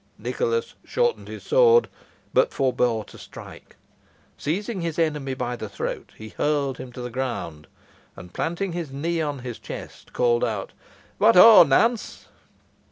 Nicholas shortened his sword, but forbore to strike. Seizing his enemy by the throat, he hurled him to the ground, and, planting his knee on his chest, called out, "What, ho, Nance!"